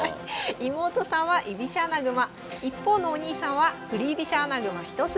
妹さんは居飛車穴熊一方のお兄さんは振り飛車穴熊一筋。